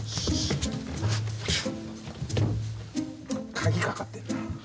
鍵かかってるな。